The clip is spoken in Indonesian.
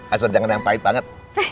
asal jangan yang pahit banget